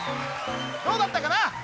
どうだったかな？